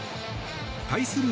対する